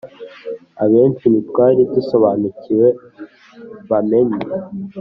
abenshi ntitwari dusobanukiwe bamenye